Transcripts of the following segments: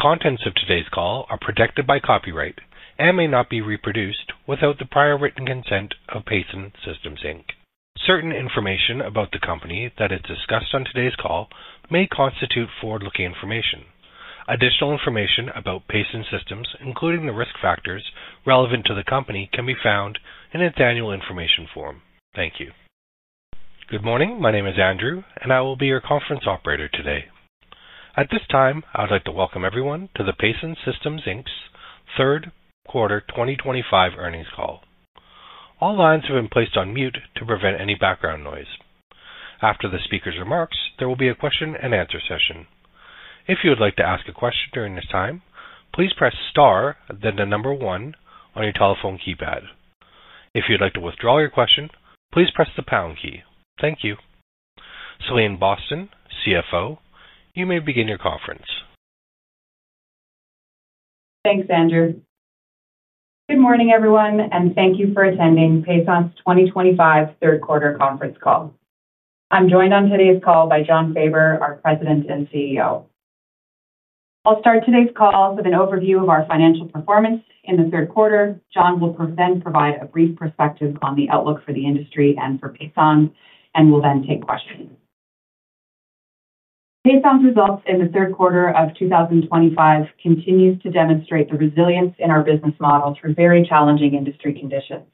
The contents of today's call are protected by copyright and may not be reproduced without the prior written consent of Pason Systems Inc. Certain information about the company that is discussed on today's call may constitute forward-looking information. Additional information about Pason Systems, including the risk factors relevant to the company, can be found in its annual information form. Thank you. Good morning. My name is Andrew, and I will be your conference operator today. At this time, I would like to welcome everyone to the Pason Systems third quarter 2025 earnings call. All lines have been placed on mute to prevent any background noise. After the speaker's remarks, there will be a question-and-answer session. If you would like to ask a question during this time, please press star, then the number one on your telephone keypad. If you'd like to withdraw your question, please press the pound key. Thank you. Celine Boston, CFO, you may begin your conference. Thanks, Andrew. Good morning, everyone, and thank you for attending Pason's 2025 third quarter conference call. I'm joined on today's call by Jon Faber, our President and CEO. I'll start today's call with an overview of our financial performance in the third quarter. Jon will then provide a brief perspective on the outlook for the industry and for Pason, and we'll then take questions. Pason's results in the third quarter of 2025 continue to demonstrate the resilience in our business model through very challenging industry conditions.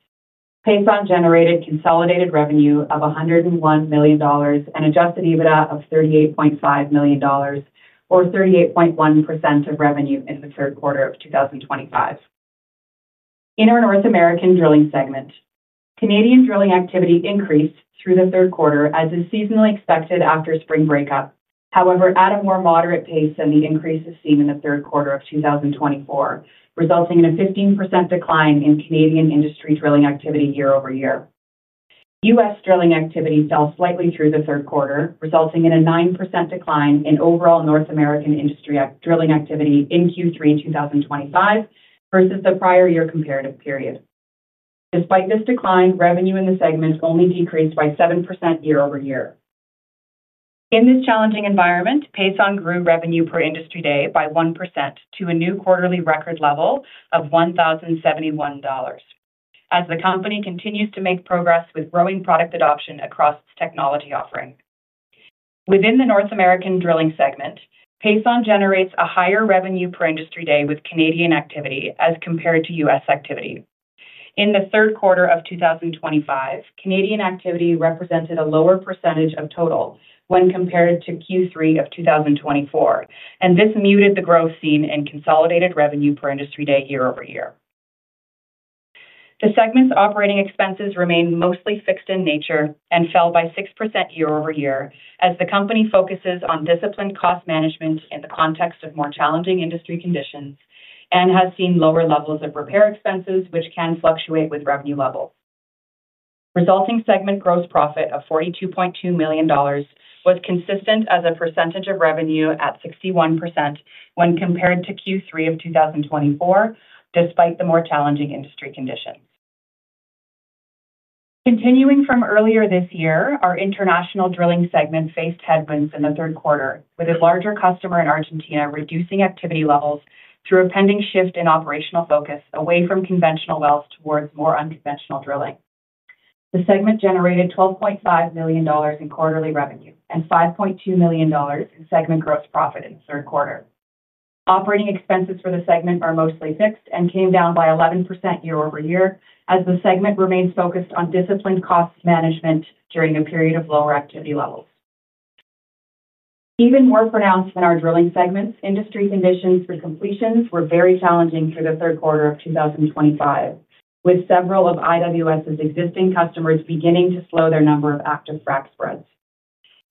Pason generated consolidated revenue of $101 million and Adjusted EBITDA of $38.5 million, or 38.1% of revenue in the third quarter of 2025. In our North American drilling segment, Canadian drilling activity increased through the third quarter as is seasonally expected after spring breakup. However, at a more moderate pace than the increases seen in the third quarter of 2024, resulting in a 15% decline in Canadian industry drilling activity year-over-year. U.S. drilling activity fell slightly through the third quarter, resulting in a 9% decline in overall North American industry drilling activity in Q3 2025 versus the prior year comparative period. Despite this decline, revenue in the segment only decreased by 7% year-over-year. In this challenging environment, Pason grew revenue per industry day by 1% to a new quarterly record level of $1,071, as the company continues to make progress with growing product adoption across its technology offering. Within the North American drilling segment, Pason generates a higher revenue per industry day with Canadian activity as compared to U.S. activity. In the third quarter of 2025, Canadian activity represented a lower percentage of total when compared to Q3 of 2024, and this muted the growth seen in consolidated revenue per industry day year-over-year. The segment's operating expenses remained mostly fixed in nature and fell by 6% year-over-year, as the company focuses on disciplined cost management in the context of more challenging industry conditions and has seen lower levels of repair expenses, which can fluctuate with revenue levels. Resulting segment gross profit of $42.2 million was consistent as a percentage of revenue at 61% when compared to Q3 of 2024, despite the more challenging industry conditions. Continuing from earlier this year, our international drilling segment faced headwinds in the third quarter, with a larger customer in Argentina reducing activity levels through a pending shift in operational focus away from conventional wells towards more unconventional drilling. The segment generated $12.5 million in quarterly revenue and $5.2 million in segment gross profit in the third quarter. Operating expenses for the segment are mostly fixed and came down by 11% year-over-year, as the segment remains focused on disciplined cost management during a period of lower activity levels. Even more pronounced than our drilling segments, industry conditions for completions were very challenging through the third quarter of 2025, with several of IWS's existing customers beginning to slow their number of active frac spreads.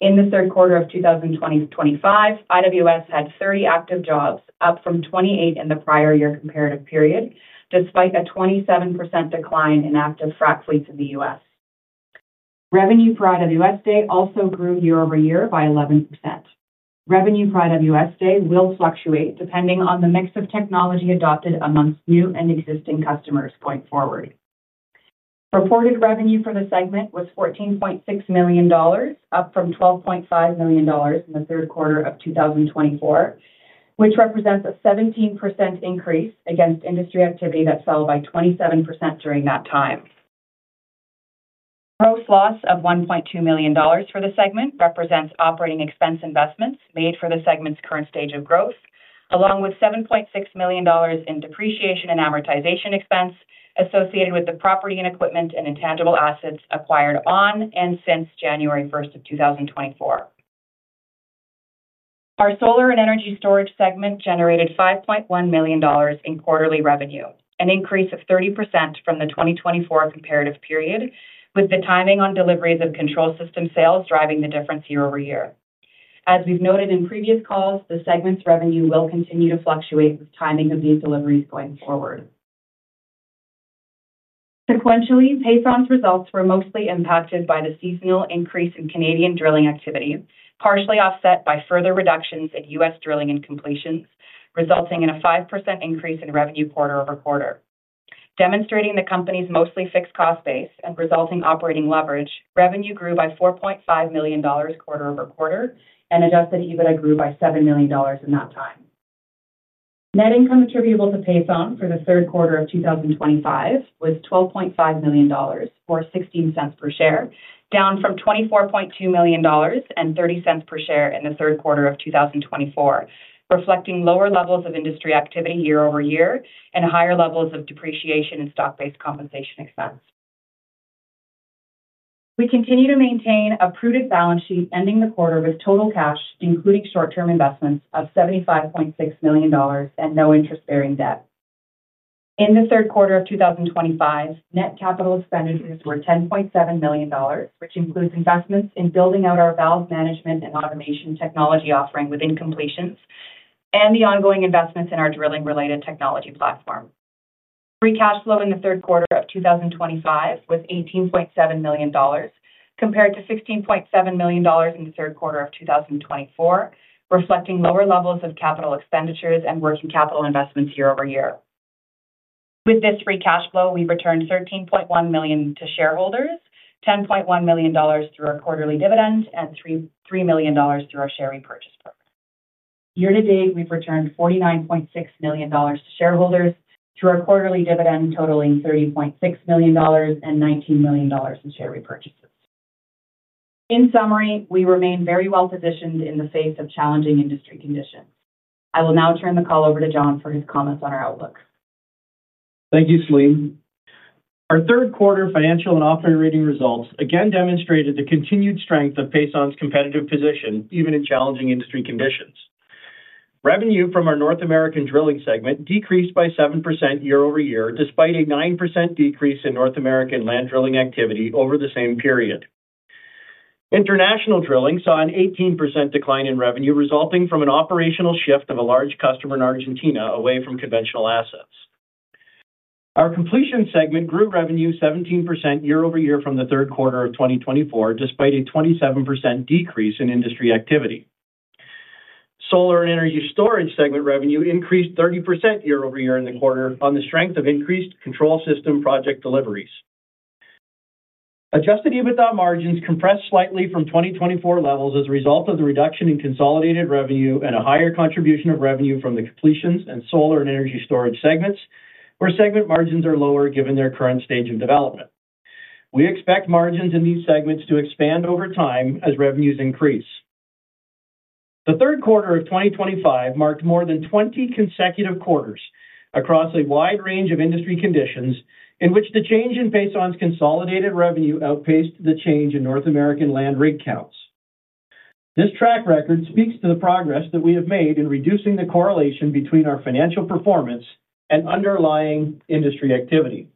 In the third quarter of 2025, IWS had 30 active jobs, up from 28 in the prior year comparative period, despite a 27% decline in active frac fleets in the U.S. Revenue for IWS Day also grew year-over-year by 11%. Revenue for IWS Day will fluctuate depending on the mix of technology adopted amongst new and existing customers going forward. Reported revenue for the segment was $14.6 million, up from $12.5 million in the third quarter of 2024, which represents a 17% increase against industry activity that fell by 27% during that time. Gross loss of $1.2 million for the segment represents operating expense investments made for the segment's current stage of growth, along with $7.6 million in depreciation and amortization expense associated with the property and equipment and intangible assets acquired on and since January 1 of 2024. Our solar and energy storage segment generated $5.1 million in quarterly revenue, an increase of 30% from the 2024 comparative period, with the timing on deliveries of control system sales driving the difference year over year. As we've noted in previous calls, the segment's revenue will continue to fluctuate with timing of these deliveries going forward. Sequentially, Pason's results were mostly impacted by the seasonal increase in Canadian drilling activity, partially offset by further reductions in U.S. drilling and completions, resulting in a 5% increase in revenue quarter over quarter. Demonstrating the company's mostly fixed cost base and resulting operating leverage, revenue grew by $4.5 million quarter over quarter, and Adjusted EBITDA grew by $7 million in that time. Net income attributable to Pason for the third quarter of 2025 was $12.5 million, or $0.16 per share, down from $24.2 million and $0.30 per share in the third quarter of 2024, reflecting lower levels of industry activity year over year and higher levels of depreciation and stock-based compensation expense. We continue to maintain a prudent balance sheet ending the quarter with total cash, including short-term investments, of $75.6 million and no interest-bearing debt. In the third quarter of 2025, net capital expenditures were $10.7 million, which includes investments in building out our valve management and automation technology offering within completions and the ongoing investments in our drilling-related technology platform. Free cash flow in the third quarter of 2025 was $18.7 million, compared to $16.7 million in the third quarter of 2024, reflecting lower levels of capital expenditures and working capital investments year over year. With this free cash flow, we returned $13.1 million to shareholders, $10.1 million through our quarterly dividend, and $3 million through our share repurchase program. Year-to-date, we've returned $49.6 million to shareholders through our quarterly dividend, totaling $30.6 million and $19 million in share repurchases. In summary, we remain very well-positioned in the face of challenging industry conditions. I will now turn the call over to Jon for his comments on our outlook. Thank you, Celine. Our third quarter financial and operating results again demonstrated the continued strength of Pason's competitive position, even in challenging industry conditions. Revenue from our North American drilling segment decreased by 7% year-over-year, despite a 9% decrease in North American land drilling activity over the same period. International drilling saw an 18% decline in revenue, resulting from an operational shift of a large customer in Argentina away from conventional assets. Our completions segment grew revenue 17% year-over-year from the third quarter of 2024, despite a 27% decrease in industry activity. Solar and energy storage segment revenue increased 30% year-over-year in the quarter on the strength of increased control system project deliveries. Adjusted EBITDA margins compressed slightly from 2024 levels as a result of the reduction in consolidated revenue and a higher contribution of revenue from the completions and solar and energy storage segments, where segment margins are lower given their current stage of development. We expect margins in these segments to expand over time as revenues increase. The third quarter of 2025 marked more than 20 consecutive quarters across a wide range of industry conditions in which the change in Pason's consolidated revenue outpaced the change in North American land rig counts. This track record speaks to the progress that we have made in reducing the correlation between our financial performance and underlying industry activity.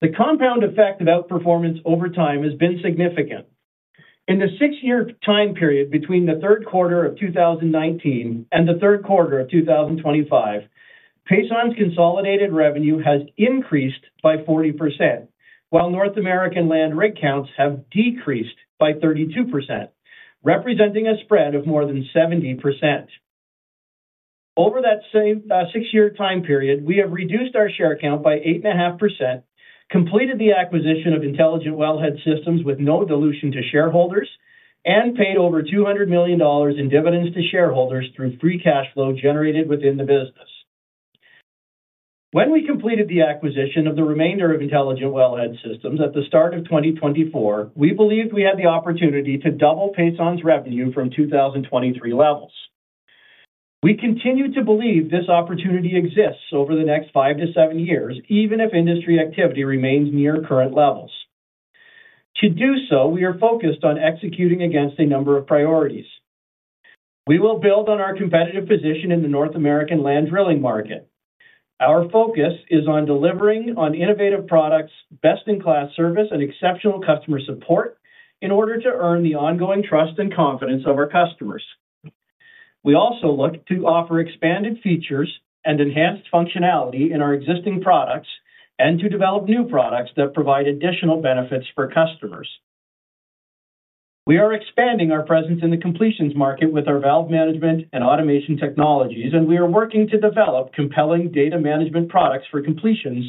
The compound effect of outperformance over time has been significant. In the six-year time period between the third quarter of 2019 and the third quarter of 2025, Pason's consolidated revenue has increased by 40%, while North American land rig counts have decreased by 32%, representing a spread of more than 70%. Over that six-year time period, we have reduced our share count by 8.5%, completed the acquisition of Intelligent Wellhead Systems with no dilution to shareholders, and paid over $200 million in dividends to shareholders through free cash flow generated within the business. When we completed the acquisition of the remainder of Intelligent Wellhead Systems at the start of 2024, we believed we had the opportunity to double Pason's revenue from 2023 levels. We continue to believe this opportunity exists over the next five to seven years, even if industry activity remains near current levels. To do so, we are focused on executing against a number of priorities. We will build on our competitive position in the North American land drilling market. Our focus is on delivering on innovative products, best-in-class service, and exceptional customer support in order to earn the ongoing trust and confidence of our customers. We also look to offer expanded features and enhanced functionality in our existing products and to develop new products that provide additional benefits for customers. We are expanding our presence in the completions market with our valve management and automation technologies, and we are working to develop compelling data management products for completions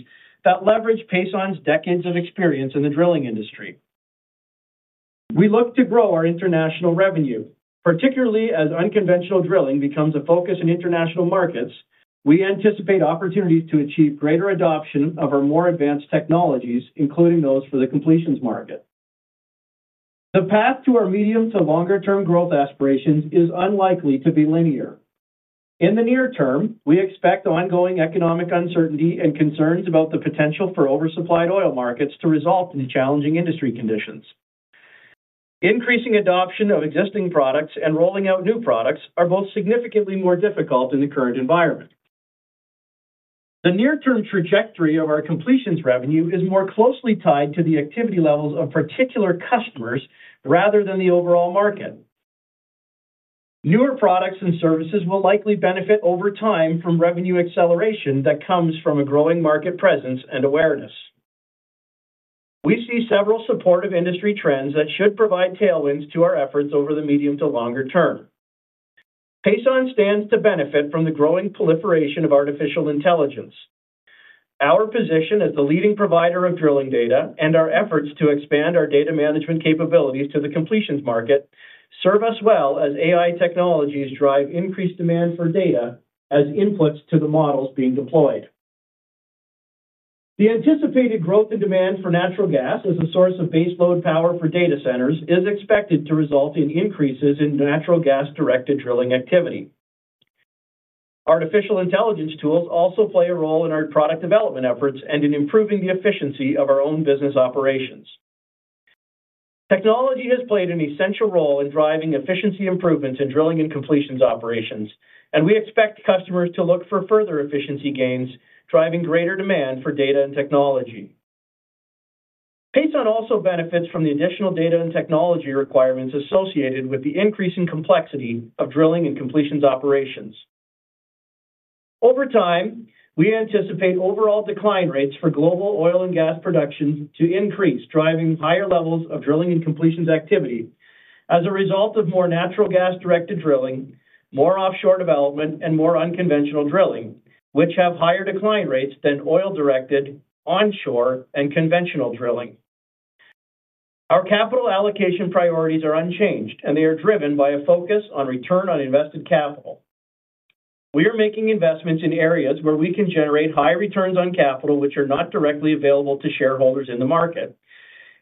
that leverage Pason's decades of experience in the drilling industry. We look to grow our international revenue, particularly as unconventional drilling becomes a focus in international markets. We anticipate opportunities to achieve greater adoption of our more advanced technologies, including those for the completions market. The path to our medium to longer-term growth aspirations is unlikely to be linear. In the near term, we expect ongoing economic uncertainty and concerns about the potential for oversupplied oil markets to result in challenging industry conditions. Increasing adoption of existing products and rolling out new products are both significantly more difficult in the current environment. The near-term trajectory of our completions revenue is more closely tied to the activity levels of particular customers rather than the overall market. Newer products and services will likely benefit over time from revenue acceleration that comes from a growing market presence and awareness. We see several supportive industry trends that should provide tailwinds to our efforts over the medium to longer term. Pason stands to benefit from the growing proliferation of artificial intelligence. Our position as the leading provider of drilling data and our efforts to expand our data management capabilities to the completions market serve us well as AI technologies drive increased demand for data as inputs to the models being deployed. The anticipated growth in demand for natural gas as a source of base load power for data centers is expected to result in increases in natural gas-directed drilling activity. Artificial intelligence tools also play a role in our product development efforts and in improving the efficiency of our own business operations. Technology has played an essential role in driving efficiency improvements in drilling and completions operations, and we expect customers to look for further efficiency gains, driving greater demand for data and technology. Pason also benefits from the additional data and technology requirements associated with the increasing complexity of drilling and completions operations. Over time, we anticipate overall decline rates for global oil and gas production to increase, driving higher levels of drilling and completions activity as a result of more natural gas-directed drilling, more offshore development, and more unconventional drilling, which have higher decline rates than oil-directed, onshore, and conventional drilling. Our capital allocation priorities are unchanged, and they are driven by a focus on return on invested capital. We are making investments in areas where we can generate high returns on capital, which are not directly available to shareholders in the market,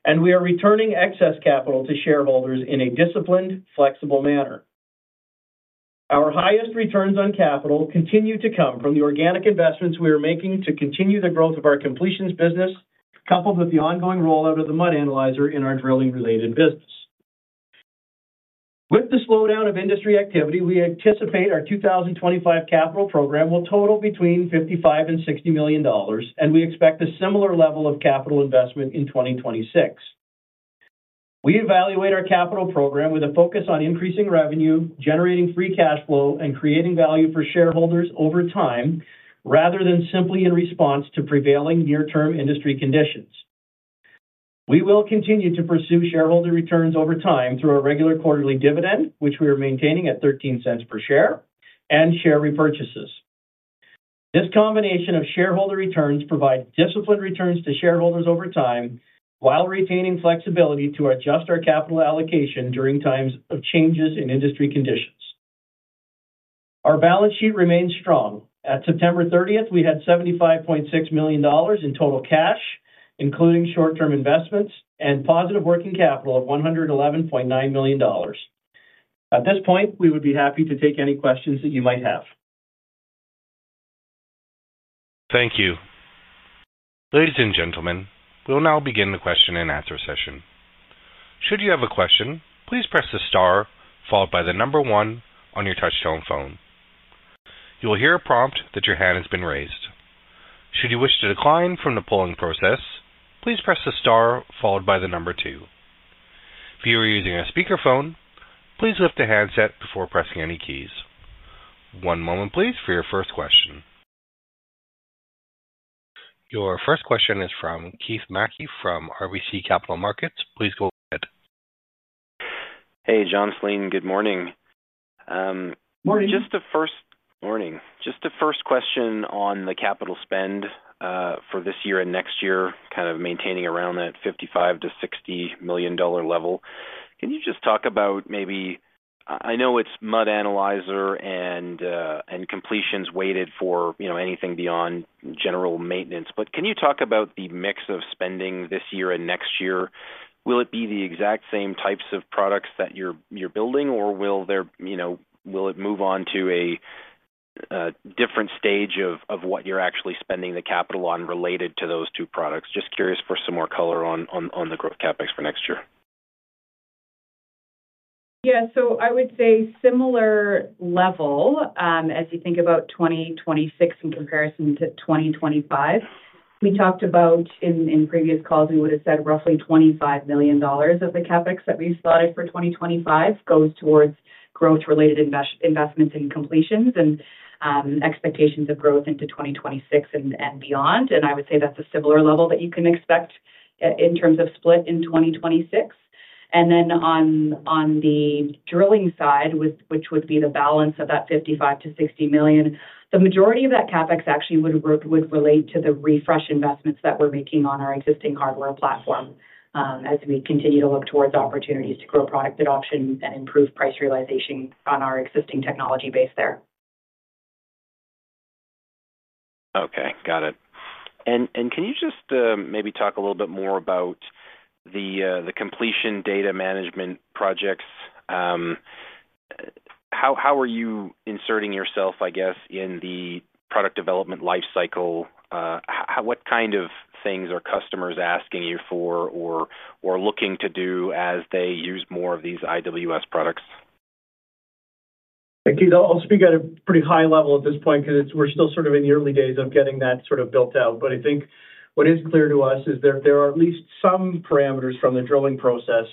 and we are returning excess capital to shareholders in a disciplined, flexible manner. Our highest returns on capital continue to come from the organic investments we are making to continue the growth of our completions business, coupled with the ongoing rollout of the mud analyzer in our drilling-related business. With the slowdown of industry activity, we anticipate our 2025 capital program will total between $55 million and $60 million, and we expect a similar level of capital investment in 2026. We evaluate our capital program with a focus on increasing revenue, generating free cash flow, and creating value for shareholders over time, rather than simply in response to prevailing near-term industry conditions. We will continue to pursue shareholder returns over time through our regular quarterly dividend, which we are maintaining at $0.13 per share, and share repurchases. This combination of shareholder returns provides disciplined returns to shareholders over time while retaining flexibility to adjust our capital allocation during times of changes in industry conditions. Our balance sheet remains strong. At September 30th, we had $75.6 million in total cash, including short-term investments and positive working capital of $111.9 million. At this point, we would be happy to take any questions that you might have. Thank you. Ladies and gentlemen, we'll now begin the question and answer session. Should you have a question, please press the star followed by the number one on your touch-tone phone. You will hear a prompt that your hand has been raised. Should you wish to decline from the polling process, please press the star followed by the number two. If you are using a speakerphone, please lift the handset before pressing any keys. One moment, please, for your first question. Your first question is from Keith Mackey from RBC Capital Markets. Please go ahead. Hey, Jon, Celine, good morning. Morning. Just a first question on the capital spend for this year and next year, kind of maintaining around that $55 million-$60 million level. Can you just talk about maybe I know it's mud analyzer and completions weighted for anything beyond general maintenance, but can you talk about the mix of spending this year and next year? Will it be the exact same types of products that you're building, or will it move on to a different stage of what you're actually spending the capital on related to those two products? Just curious for some more color on the growth CapEx for next year. Yeah. I would say similar level as you think about 2026 in comparison to 2025. We talked about in previous calls, we would have said roughly $25 million of the CapEx that we spotted for 2025 goes towards growth-related investments and completions and expectations of growth into 2026 and beyond. I would say that's a similar level that you can expect in terms of split in 2026. On the drilling side, which would be the balance of that $55 million-$60 million, the majority of that CapEx actually would relate to the refresh investments that we're making on our existing hardware platform as we continue to look towards opportunities to grow product adoption and improve price realization on our existing technology base there. Okay. Got it. Can you just maybe talk a little bit more about the completion data management projects? How are you inserting yourself, I guess, in the product development life cycle? What kind of things are customers asking you for or looking to do as they use more of these IWS products? Thank you. I'll speak at a pretty high level at this point because we're still sort of in the early days of getting that sort of built out. I think what is clear to us is that there are at least some parameters from the drilling process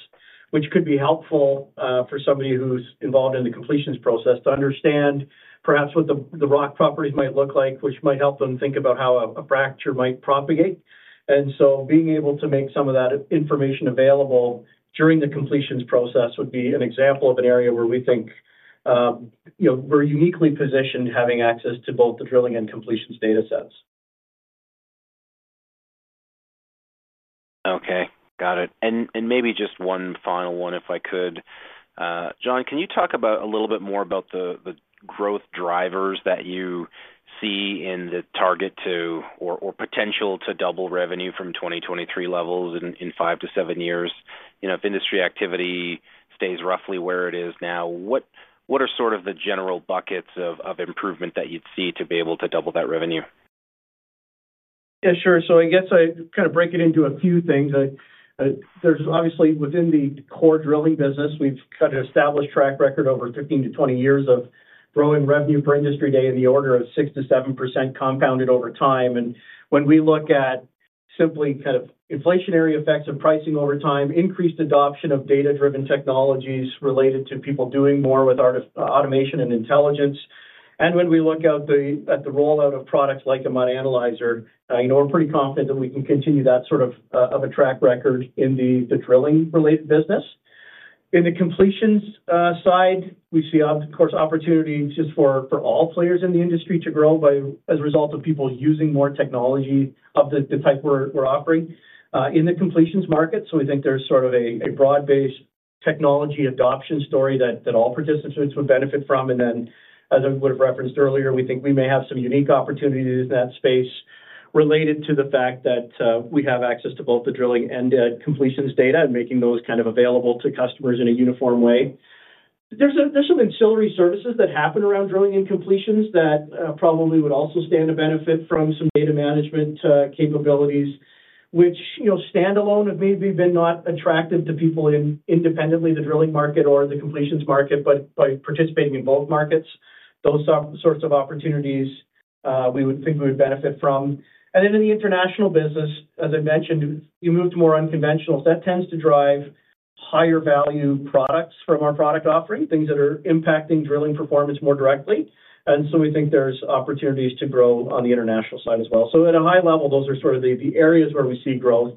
which could be helpful for somebody who's involved in the completions process to understand perhaps what the rock properties might look like, which might help them think about how a fracture might propagate. Being able to make some of that information available during the completions process would be an example of an area where we think we're uniquely positioned having access to both the drilling and completions data sets. Okay. Got it. Maybe just one final one, if I could. Jon, can you talk a little bit more about the growth drivers that you see in the target to or potential to double revenue from 2023 levels in five to seven years? If industry activity stays roughly where it is now, what are sort of the general buckets of improvement that you'd see to be able to double that revenue? Yeah, sure. I guess I kind of break it into a few things. There's obviously within the core drilling business, we've kind of established track record over 15 to 20 years of growing revenue per industry day in the order of 6%-7% compounded over time. When we look at simply kind of inflationary effects of pricing over time, increased adoption of data-driven technologies related to people doing more with automation and intelligence. When we look at the rollout of products like a mud analyzer, we're pretty confident that we can continue that sort of track record in the drilling-related business. In the completions side, we see, of course, opportunity just for all players in the industry to grow as a result of people using more technology of the type we're offering in the completions market. We think there is sort of a broad-based technology adoption story that all participants would benefit from. As I would have referenced earlier, we think we may have some unique opportunities in that space related to the fact that we have access to both the drilling and completions data and making those kind of available to customers in a uniform way. There are some ancillary services that happen around drilling and completions that probably would also stand to benefit from some data management capabilities, which stand alone have maybe been not attractive to people independently of the drilling market or the completions market, but by participating in both markets, those sorts of opportunities we would think we would benefit from. In the international business, as I mentioned, you move to more unconventional. That tends to drive higher-value products from our product offering, things that are impacting drilling performance more directly. We think there are opportunities to grow on the international side as well. At a high level, those are sort of the areas where we see growth.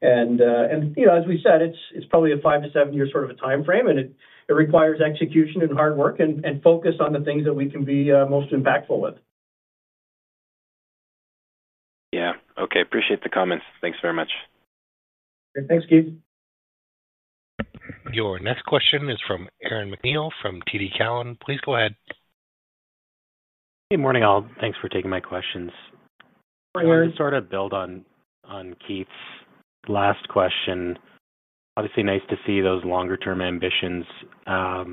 As we said, it is probably a five- to seven-year sort of a timeframe, and it requires execution and hard work and focus on the things that we can be most impactful with. Yeah. Okay. Appreciate the comments. Thanks very much. Thanks, Keith. Your next question is from Aaron MacNeil from TD Cowen. Please go ahead. Good morning, all. Thanks for taking my questions. I want to sort of build on Keith's last question. Obviously, nice to see those longer-term ambitions. How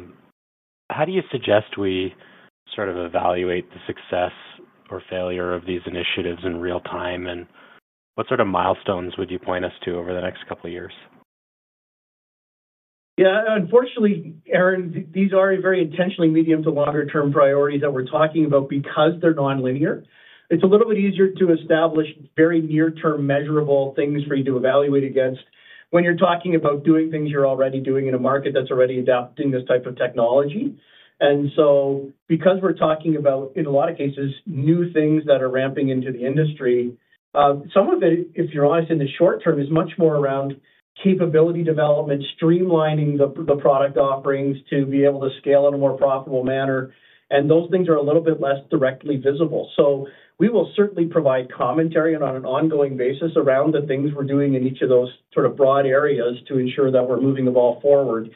do you suggest we sort of evaluate the success or failure of these initiatives in real time? What sort of milestones would you point us to over the next couple of years? Yeah. Unfortunately, Aaron, these are very intentionally medium to longer-term priorities that we're talking about because they're non-linear. It's a little bit easier to establish very near-term measurable things for you to evaluate against when you're talking about doing things you're already doing in a market that's already adopting this type of technology. Because we're talking about, in a lot of cases, new things that are ramping into the industry, some of it, if you're honest, in the short term, is much more around capability development, streamlining the product offerings to be able to scale in a more profitable manner. Those things are a little bit less directly visible. We will certainly provide commentary on an ongoing basis around the things we're doing in each of those sort of broad areas to ensure that we're moving the ball forward.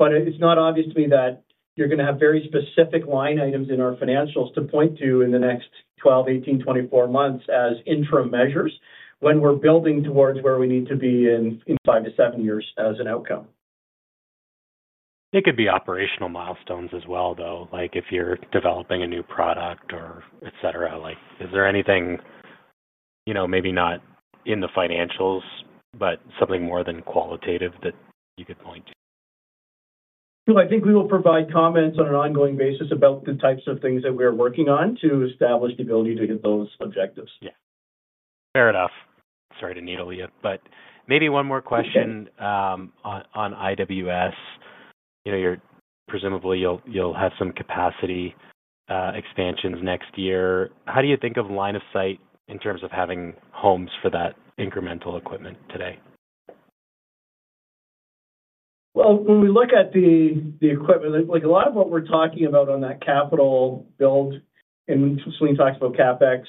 It is not obvious to me that you are going to have very specific line items in our financials to point to in the next 12, 18, 24 months as interim measures when we are building towards where we need to be in five to seven years as an outcome. It could be operational milestones as well, though, like if you're developing a new product or etc. Is there anything maybe not in the financials, but something more than qualitative that you could point to? I think we will provide comments on an ongoing basis about the types of things that we are working on to establish the ability to hit those objectives. Yeah. Fair enough. Sorry to needle you, but maybe one more question on IWS. Presumably, you'll have some capacity expansions next year. How do you think of line of sight in terms of having homes for that incremental equipment today? When we look at the equipment, a lot of what we're talking about on that capital build, and Celine talks about CapEx,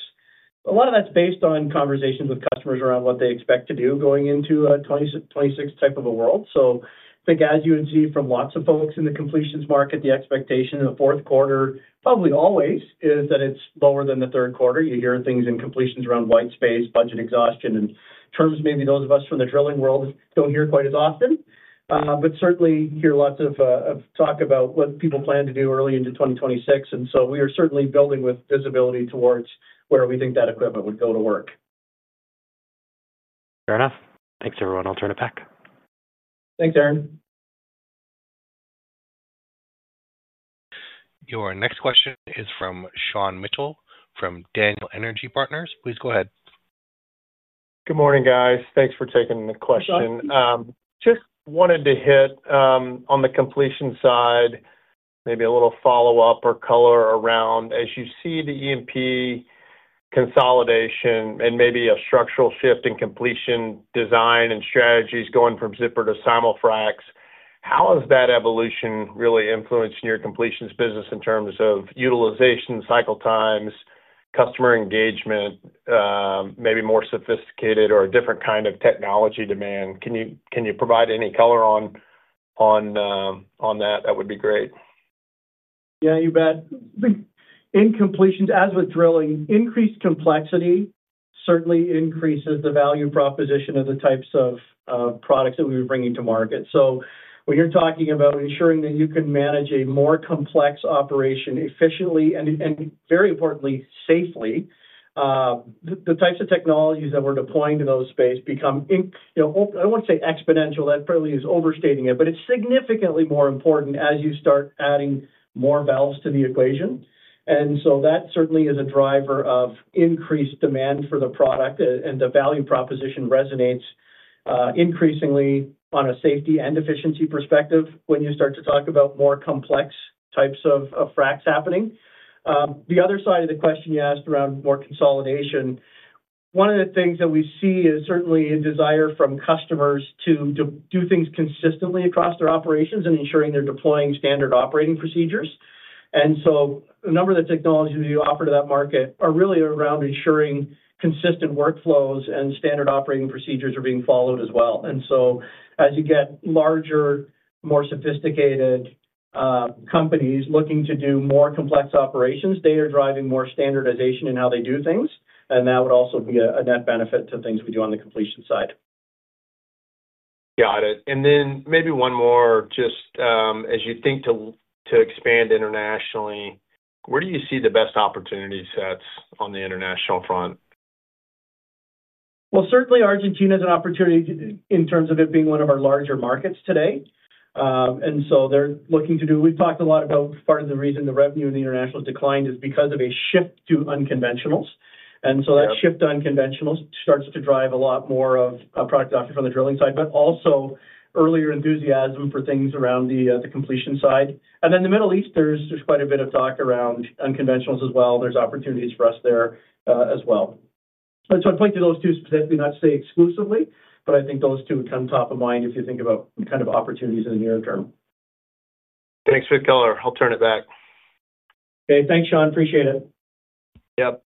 a lot of that's based on conversations with customers around what they expect to do going into a 2026 type of a world. I think, as you would see from lots of folks in the completions market, the expectation in the fourth quarter probably always is that it's lower than the third quarter. You hear things in completions around white space, budget exhaustion, and terms maybe those of us from the drilling world don't hear quite as often, but certainly hear lots of talk about what people plan to do early into 2026. We are certainly building with visibility towards where we think that equipment would go to work. Fair enough. Thanks, everyone. I'll turn it back. Thanks, Aaron. Your next question is from Sean Mitchell from Daniel Energy Partners. Please go ahead. Good morning, guys. Thanks for taking the question. Just wanted to hit on the completion side, maybe a little follow-up or color around, as you see the E&P consolidation and maybe a structural shift in completion design and strategies going from Zipper to Simul-frac. How has that evolution really influenced your completions business in terms of utilization, cycle times, customer engagement, maybe more sophisticated or a different kind of technology demand? Can you provide any color on that? That would be great. Yeah, you bet. I think in completions, as with drilling, increased complexity certainly increases the value proposition of the types of products that we were bringing to market. When you're talking about ensuring that you can manage a more complex operation efficiently and, very importantly, safely, the types of technologies that we're deploying to those space become, I do not want to say exponential. That probably is overstating it, but it is significantly more important as you start adding more valves to the equation. That certainly is a driver of increased demand for the product, and the value proposition resonates increasingly on a safety and efficiency perspective when you start to talk about more complex types of fracs happening. The other side of the question you asked around more consolidation, one of the things that we see is certainly a desire from customers to do things consistently across their operations and ensuring they are deploying standard operating procedures. A number of the technologies we offer to that market are really around ensuring consistent workflows and standard operating procedures are being followed as well. As you get larger, more sophisticated companies looking to do more complex operations, they are driving more standardization in how they do things. That would also be a net benefit to things we do on the completion side. Got it. Maybe one more, just as you think to expand internationally, where do you see the best opportunity sets on the international front? Certainly, Argentina is an opportunity in terms of it being one of our larger markets today. They are looking to do, we have talked a lot about part of the reason the revenue in the international has declined is because of a shift to unconventionals. That shift to unconventionals starts to drive a lot more of product offering from the drilling side, but also earlier enthusiasm for things around the completion side. The Middle East, there is quite a bit of talk around unconventionals as well. There are opportunities for us there as well. I would point to those two specifically, not to say exclusively, but I think those two would come top of mind if you think about kind of opportunities in the near term. Thanks, Faber. I'll turn it back. Okay. Thanks, Sean. Appreciate it. Yep.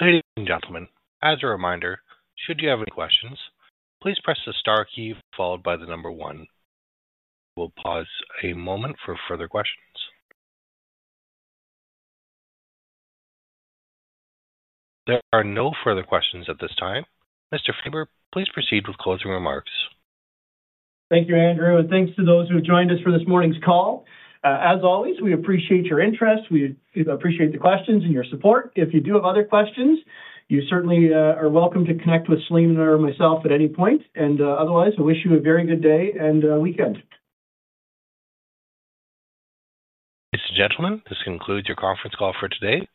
Ladies and gentlemen, as a reminder, should you have any questions, please press the star key followed by the number one. We'll pause a moment for further questions. There are no further questions at this time. Mr. Faber, please proceed with closing remarks. Thank you, Andrew. Thank you to those who joined us for this morning's call. As always, we appreciate your interest. We appreciate the questions and your support. If you do have other questions, you certainly are welcome to connect with Celine or myself at any point. Otherwise, I wish you a very good day and weekend. Ladies and gentlemen, this concludes your conference call for today.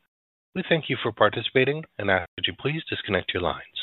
We thank you for participating, and I ask that you please disconnect your lines.